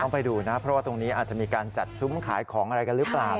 ไปดูนะเพราะว่าตรงนี้อาจจะมีการจัดซุ้มขายของอะไรกันหรือเปล่า